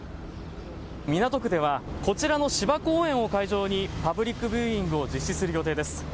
港区では、こちらの芝公園を会場にパブリックビューイングを実施する予定です。